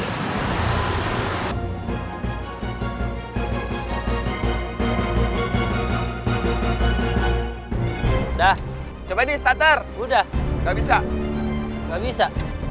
udah coba di starter udah nggak bisa nggak bisa